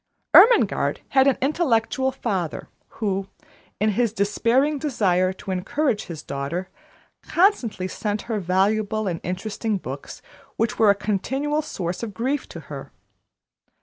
Ermengarde had an intellectual father, who, in his despairing desire to encourage his daughter, constantly sent her valuable and interesting books, which were a continual source of grief to her.